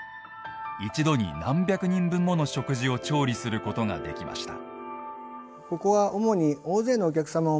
一度に何百人分もの食事を調理することができました。